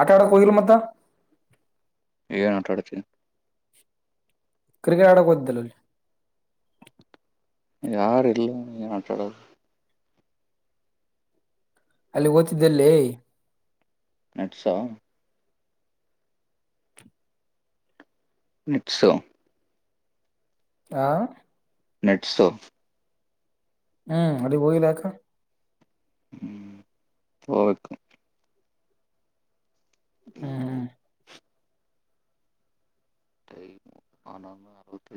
ಆಟಡ ಕೋಗಿಲ್ಲ ಮ್ದ ಏಗನ್ ಆಟಾಡ್ತೀ cricket ಆಡೋಕದ್ದಲ್ಲ ಯಾರ ಇಲ್ಲ ನೀ ಆಟಾಡದು ಅಲ್ಲಿ ಓತಿದ್ದಲ್ಲಿ ನಡ್ಸಾವ ನಿಪ್ಸು ಆಾ ನೆಟ್ಸು ಹ್ಮ್ ಅಲ್ಲಿ ಹೋಗಿಲ್ಲಾಕ ಹ್ಮ್ ಹಬೇಕಕ್ಕ ಹ್ಮ್ ಹ್ಮ್ ಹಣ ಅವತ್ತ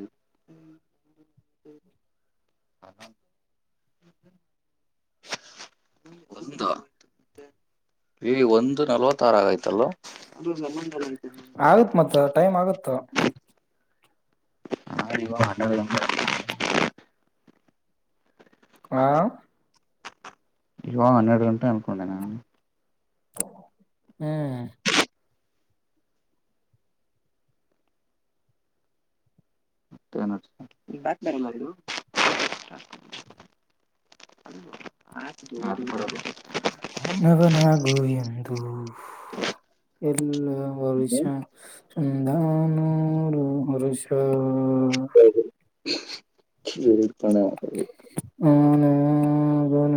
ಹ ಒ ಈ ಒಂದು ನಲವತ್ತ ಆರುಆಗೈತಲ್ಲ ಆಗತ್ ಮತ್ತ ಟೈಮ್ ಆಗುತ್ತೋ ಹಾವ ಅ ಹಾ ಇಗಾಗ ಹನ್ನೆರಡು ಗಂಟೆ ಅನ್ಕೊಂಡೆ ನಾನು ಹ್ಮ್ ಮ ಆ ನವನಾಗು ಎಂದು ಎಲ್ಲ ಒ ವಿಷಯ ಚಂದಾನೂರು ಹರುಷ ಸರಿ ಪಣ ನ ಗ ನ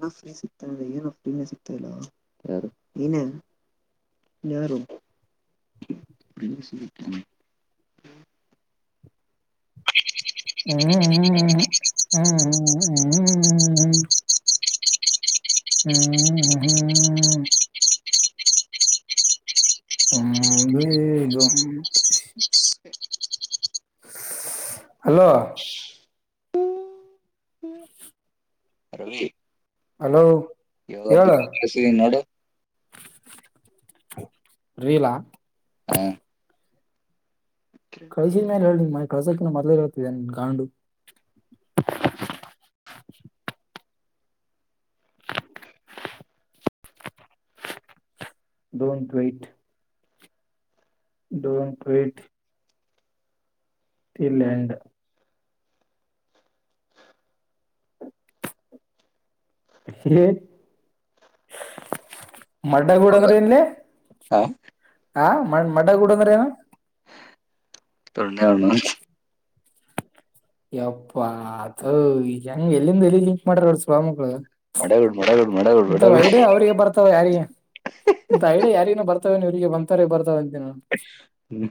ನ ಫ್ರೀ ಸಿಕ್ತ ಅಂದ್ರೆ ಏನ ಫ್ರೀನ ಸಿಕ್ತಾ ಇಲ್ ಏನೇ ಯಾರು [unintelligible] ಹ್ಮ್ ಹ್ಮ್ ಹ್ಮ್ ಹ್ಮ್ ಹ್ಮ್ ಹ್ಮ ಹ್ಮ ಹ್ಮ್ ಹ ಹ್ಮ್ [inaudible] ಹದುಗ ಹ ಹಲೋ ರವಿ ಹಲೋ ಇವಾಗ ಹೇಳ ಒ ನೋಡು ರೀಲಾ ಹ ಕಳ್ಸಿದ ಮೇಾಲ ಹೇಳ್ರಿ ಮನೆ ಕಳ್ಸಕಿನ್ನ ಮೊದ್ೇ ಇರತಿದೆ ನಿನ್ ಗಾಂಡು ದೋನ್ ಟ್ವೈಟ್ ಡೋಂಟ್ ಕಟ್ಟ್ ಫನ್ಲಾಂಡ್ ಹ ಮಡ್ಡ ಗೂಡ ಹೌದಾ ಅಂದ್ರೆ ನ್ಲಿ ಹ ಹ ಮ ಮಡ ಗೂಡ ಅಂದ್ರ ಏನು ಹ ಯಪ್ಪಾ ಅದ ಈ ಹೆಂಗ ಎಲ್ಲಿಂದ ಎಲ್ಲಿ ಜಿಂಕ್ ಮಾಡ್ರ ಸ್ವಾಮಿಗಳು ಮಡಗುಡ್ ಮಡಗುಡ್ ಮಡಗುಡ್ ಇಂಥ ಮಡಗುಡ್ ಐಡಿಯ ಅವ್ರಿಗೆ ಬರ್ತಾವ ಯಾರಿಗೆ ಇಂಥ ಐಡಿಯ ಯಾರಿಗಿನೂ ಬರ್ತ ಇ್ರರಿಗೆ ಬಂತಾರೆ ಬರ್ತಾವ ಹ್ಮ್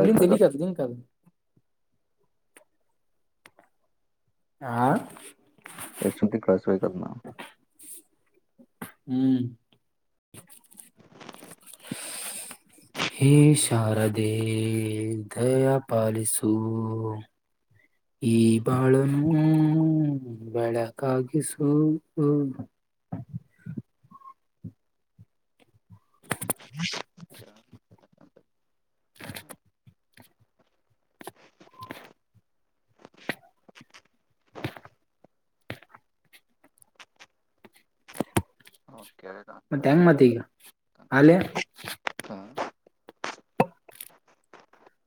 ಎಲ್ಲಿಂದ ಎಲ್ಲಿಗದು ಹಂಕ ಹ ಎಷ್ಟೊತ್ತಿಗೆ ಕಳಿಸ್ಬೇಕ ಅದ್ನ ಹ್ಮ್ [unintelligible] ಶಾರದೆೇ ದಯಾ ಪಾಲಿಸು ಈ ಬಾಳನೂ ಬೆಳಕಾಗಿಸೂ [inaudible] ಹ್ಮ [inaudible] [inaudible] ಅವನ್ ಕೇಳಿದ ಮತ್ತೆ ಹೆಂಗ ಅಂದ್ರೆ ಮತ್ ಈಗ ಹಾಲೇ ಅಂತ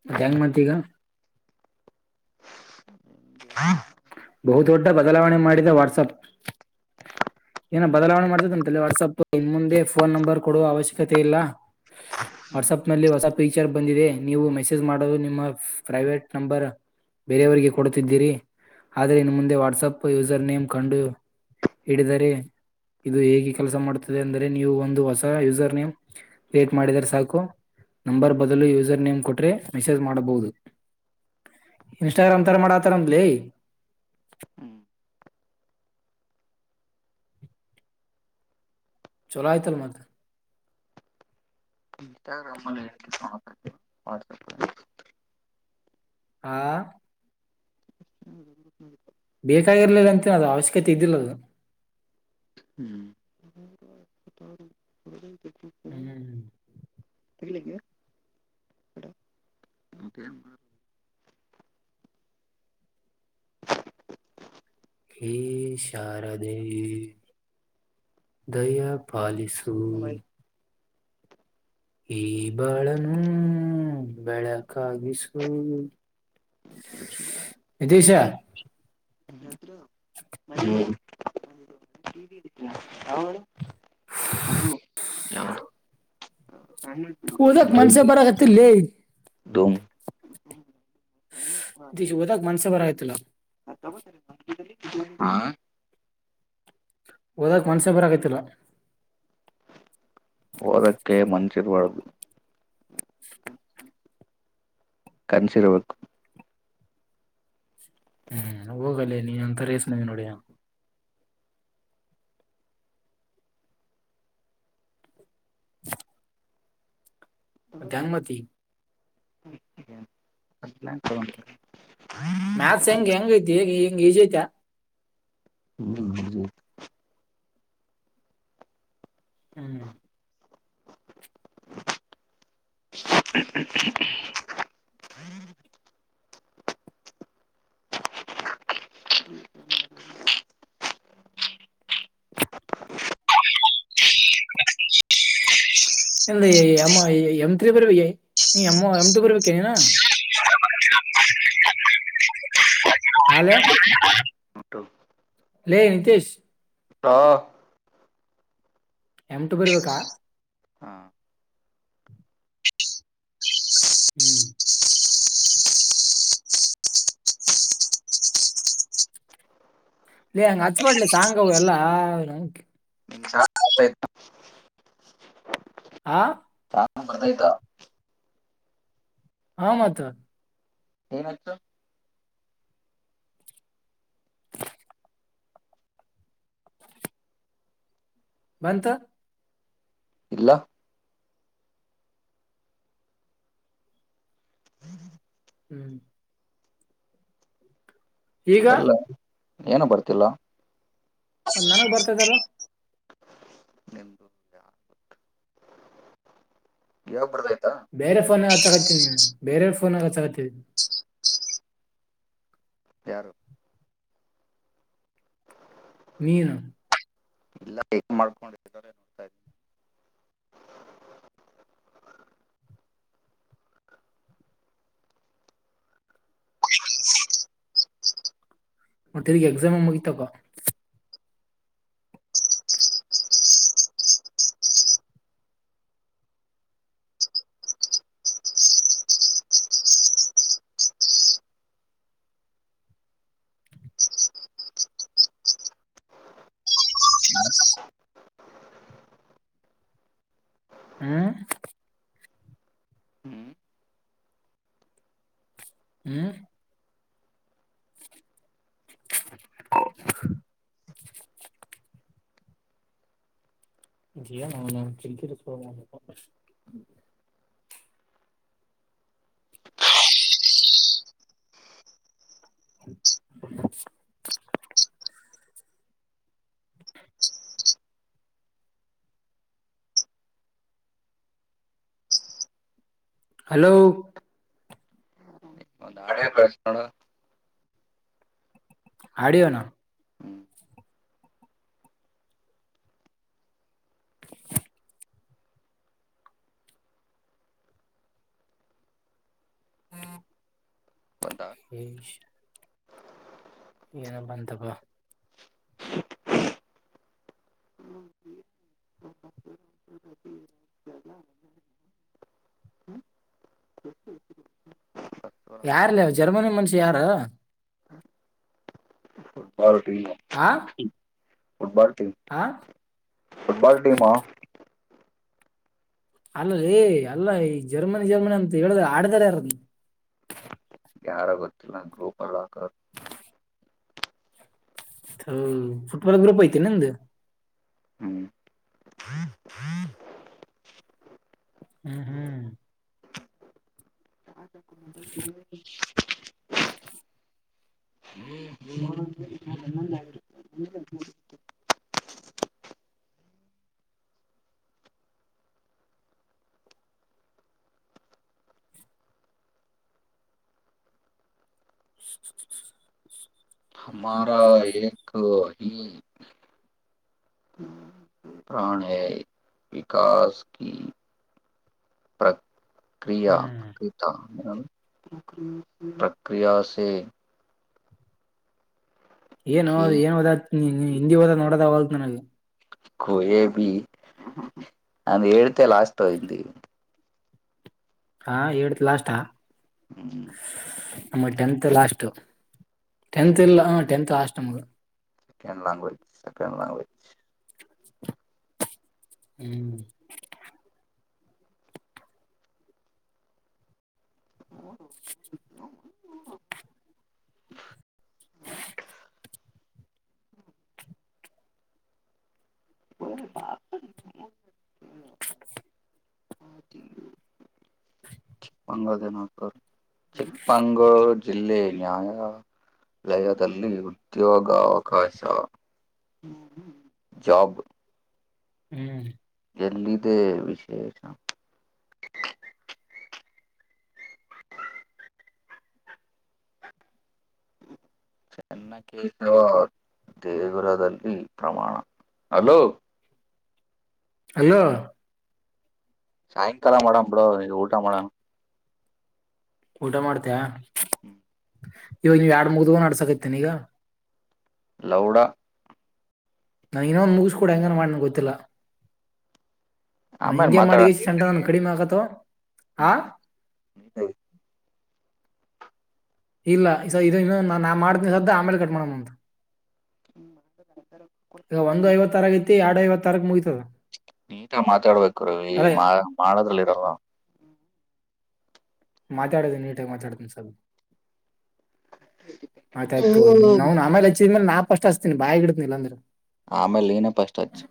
ಮತ್ತ ಹೆಂಗ್ ಮತ್ತ ಈಗ ಬಹುದೊಡ್ಡ ಬದಲಾವಣೆ ಮಾಡಿದ ವಾಟ್ಸಪ್ ಏನ ಬದಲಾವಣೆ ಮಾಡ್ತದ ಅಂತ ವಾಟ್ಸಪ್ ಇನ್ ಮುಂದೆ ಫೋನ್ ನಂಬರ್ ಕೊಡುವ ಅವಶ್ಯಕತೆ ಇಲ್ಲಾ [inaudible] ವಾಟ್ಸಪ್ ನಲ್ಲಿ ಹೊಸ ಫೀಚರ್ ಬಂದಿದೆ ನೀವು ಮೆಸೇಜ್ ಮಾಡಲು ನಿಮ್ಮ ಪ್ರೈವೇಟ್ ನಂಬರ್ ಬೇರೆಯವರಿಗೆ ಕೊಡುತ್ತಿದ್ದೀರಿ ಆದರೆ ಇನ್ನು ಮುಂದೆ ವಾಟ್ಸಪ್ ಯೂಸರ್ ನೇಮ್ ಕಂಡು ಹಿಡಿದರೆ ಇದು ಹೇಗೆ ಕೆಲಸ ಮಾಡುತ್ತದೆ ಅಂದರೆ ನೀವು ಒಂದು ಹೊಸ ಯೂಸರ್ ನೇಮ್ ಲೇಟ್ ಮಾಡಿದರೆ ಸಾಕು ನಂಬರ್ ಬದಲು ಯೂಸರ್ ನೇಮ್ ಕೊಟ್ರೆ ಮೆಸೇಜ್ ಮಾಡಬಹುದು ಇನ್ಸ್ಟಾಗ್ರಾಮ್ ತರ ಮಾಡಾತಾರ ನಂದ್ಲಿ ಹ್ಮ್ ಚಲಾಯತಲ್ಲಮದು ಇನ್ಸ್ಟಾಗ್ರಾಮಲ್ಲಿ ಎ ವಾಟ್ಸಆಪ್ ಹಾ ಬೇಕಾಗಿರ್ಲಿಲ್ಲ ಅಂತ ಅದು ಅವಶ್ಯಕತೆ ಇದ್ದಿಲ್ಲದು ಹ್ಮ್ ಹ್ಮ್್ಮ ಮತ್ತೇನ್ ಹ ಶಾರದೆಿ ದಯ ಪಾಲಿಸು ಈ ಬಾಳನೂ ಬೆಳಕಾಗಿಸು ನಿತೇಶ [inaudible] ಹ್ಮ್ [inaudible] ಯಾವ್ದು ಉದಕ್ ಮನುಷಪರಗತಿ ಲೇ ಧೂಮ್ ಇ ಶಿವದಾಗ ಮಾನ್ಸ ಬರಯತಲ್ಲ ಹಾ ಹಓದ ಮನ್ಸೇಪರ್ ಆಗತಿಲ್ಲ ಕೇ ಮಂಸರ್ವಳದು ಕನ್ಸಿರಬೇಕು ಹ್ಮ್ ಹೋಗಲ್ಲೇ ನೀ ಅಂತರೇಸನವ ನೋಡ ಮಧನುಮತಿ [inaudible] ಮ್ಯಾಥಸ್ ಹೆಂಗಗೆ ಹೆಂಗ ೈತಿ ಈಗ ಹೆಂಗ ಈಜಐತಾ ಹ್ಮ್ ಎಲ್ಲ ಎಮ್ಮ ಎಮ್ ತ್ೀ ಬರ್ಬೇಕ ನೀ ಅಮ್ಮ ಎಮ್ ಟು ಬರ್ಬೇಕೇ ನೀನಾ ಹಾಲ ಲೇ ನಿತೀಶ್ ಎಮಂತು ಬರ್ಬೇಕಾ ಹ್ಮ್ ಇ ಅಂಗ ಹಚ್ವಾಟ್ಲ್ಲಿ ಸಾಂಗವ ಎಲ್ಲಾ ಆ ಬರ್ದಯ್ತಾ ಹಾ ಮಾತ್ರ ನೀನ್ ಹಚ್ಚು ಬಂತ ಇಲ್ಲ ಹ್ಮ್ ಈಗ ಎಲ್ಲ ಏನು ಬರ್ತಿಲ್ಲ ಒಂದ್ ನನಗ್ ಬರ್ತದಲ್ ನಿಮ್ದು ಇವಾಗ ಬರ್ದಯ್ತಾ ಬೇರೆ ಫೋನ್ಾಗ ಹಚ್ಚಕತ್ತಿನಿ ನೀ ಬೇರೆೆಯ ಫೋನ್ ಆ ಹಚ್ಚಕತ್ತಿ ಯಾರು ಮೀನು ಇಲ್ಲ ಮಾಡ್ಕೊಂಡಿದ್ದಾರೆ ನೋಡ್ತಾ ಇದ್ದೀನಿ ಮತ್ತೆ ತಿಗ ಎಕ್ಸಾಮ್ ಮುಗತಕ್ಕ ಹ್ಮ ಹ್ಮ್ ಹ್ಮ್ ಹ [unintelligible] [inaudible] ಹಲೋ ಒಂದುಾಡ ಕಳಸ ನೋಣ ಹಡೋ ನ ಹ್ಮ್ ಬಂದ ಹ್ಮ್ ಏನ ಬಂತಪ್ಪ ಯಾರಲ್ಲ ಜರ್ಮನಿ ಮನುಷ್ಯ ಯಾರು ಬಾರಟ ಆಾ ುಟ್ಬಲ್ ೀಮ ುಟ್ಬಲ್ ೀಮ ಅಲ್ಲ ೇ ಅಲ್ಲ ಈ ಜರ್ಮನಿ ಜರ್ಮನಿ ಅಂತ ಹೇಳಿದ್ರ ಆಡ್ದಾರ ಯಾರ ಗ್ರೂಪಲ್ಲ ಹಫುಟ್ಬಲ್ ಗ್ರೂಪ್ ಐತಿ ನ ಅಂದ ಹ್ಮ್ ಹ್ಮ್ ಹ್ಮ್ [inaudible] [inaudible] ಹಾರ ಪ್ರಾಣ ಹೈ ವಿಕಾಸ್ ಕಿ ಕ್ರಿಯಾ ಹ್ಮ್ ಕ್ರೀ ಪ್ರಕ್ರಿಯ ಸೆ ಏನ್ ಕೇಕ್ ಏನ್ ಹೋದ ಹಿಂದಿ ಹೋದ ನೋಡದ ಹಲ್ಾನಲ್ಲಿ ಕೊಯಬ ಅಂತ ಹೇಳ್ತೆ ಲಸ್ತಿಂದ ಹಾ ಳ್ತ್ ಲಾಸ್ಟ್ಾ ಹ್ಮ್ ನ ಟತ್ ಲಾಸ್ಟ್ಟತ್ ಇಲ್ಲಟತ್ ಲಾಸ್ಟ್ ನಮಗೆ ಸೆಕೆಂಡ್ ಲ್ಯಾಂಗ್ವೇಜ್ ಸೆಕೆಂಡ್ ಲ್ಯಾಂಗ್ವೇಜ್ ಹ್ಮ್ ಚಿಂಗ ದಿನಕ ಚಿಕ್ಕಮಂಗೂರು ಜಿಲ್ಲೆ ನ್ಯಾಯ ಲಯದಲ್ಲಿ ಉದ್ಯೋಗಾವಕಾಶ ಜಬ್ ಹ್ಮ್ ಎಲ್ಲಿಿದೆೇ ವಿಶೇಷಂ ದೇಗುರದಲ್ಲಿ ಪ್ರಮಾಣ ಅಲೋ ಅಯೋ ಸಾಯಂಕಾಲ ಮಾಡಡೋ ಬಿಡೋ ನೀ ಊಟ ಮಾಡಡೋಣ ಊಟ ಮಾಡ್ತೇಯ ಇವಾಗ ನೀವ ಯಡ್ ಮುಗ್ದುವ ನಡ್ಸಕತ್ತೇನ ಈಗ ಲೌಡ ನಾ ಇನ್ನೊಂದು್ ಮುಗಿಸ್ಕೂಡ ಹೆಂಗನ ಮಾಡ್ನ ಗೊತ್ತಿಲ್ಲ ಆಮೇ್ರ ಹಿಂಗೆ ಮಾಡಿ ಮಾತಾಡ ಸೆಂಟ ನನ್ ಕಡಿಮೆ ಆಗತ್ತೋ ಆ ನೀ ಹ್ಮ ಇಲ್ಲ ಇದ ಇನ್ನೊ ನಾನ್ ಮಾಡ್ತನಿ ಸದ್ದ ಆಮೇಲೆ ಕಟ್್ಮ ಮಾಡಣ ಅಂತ ಹ್ಮ ಈಗ ಒಂದು ಐವತ್ತಾರ ಐತಿ ಎರಡು ಐವತ್ತಾರಕ್ ಮುಗ ನೀಟಾಗ ಮಾತಾಡ್ಬೇಕು ರವಿ ಅರೇ ಮಾ ಮಾಡಳದ್ರಲ್ಲಿ ಇರಲ್ ಮಾತಾಡದ ನೀಟಾಗಿಿ ಮಾತಾಡ್ತೀನಿ ಸರ್ ಆಯ್ತಾಯಯ್ತು ನನ್ ಆಮೇಲೆ ಹಚ್ಚಿದ್ಮೇಲೆ ನಾಪ ಅಷ್ಟ ಹ್ತಿನಿ ಬಾಯಿಡತನ ಇಲ್ಲಾಂದ್ರೆ ಆಮೇಲೆ ಏನಪ್ಪ ಅಷ್ಟಜು